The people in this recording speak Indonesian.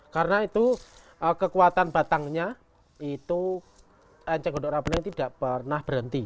karena itu kekuatan batangnya itu ece gondok rapelnya tidak pernah berhenti